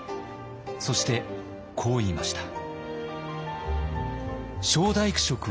そしてこう言いました。